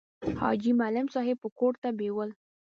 حاجي معلم صاحب به کور ته بېول.